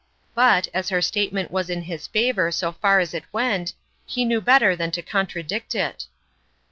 But, as her statement was in his favor so far as it went, he knew better than to contradict it.